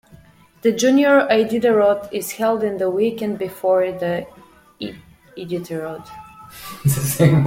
The Junior Iditarod is held in the weekend before the Iditarod.